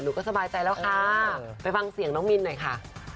ก็สบายใจแล้วค่ะไปฟังเสียงน้องมินหน่อยค่ะ